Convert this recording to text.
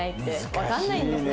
わかんないんですね